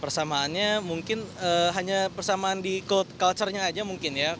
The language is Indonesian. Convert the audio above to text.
persamaan nya mungkin hanya persamaan di culture nya aja mungkin ya